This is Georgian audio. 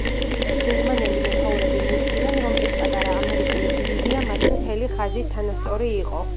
გერმანელი მეთაურები მიხვდნენ, რომ ეს პატარა ამერიკული დივიზია მათი მთელი ხაზის თანასწორი იყო.